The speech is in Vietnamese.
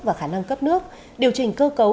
và khả năng cấp nước điều chỉnh cơ cấu